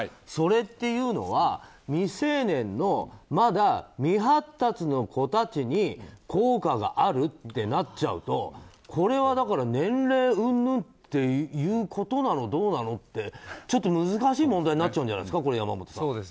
それっていうのは未成年の、まだ未発達の子たちに効果があるってなっちゃうとこれは年齢うんぬんということなのどうなのってちょっと難しい問題になっちゃうんじゃないですか。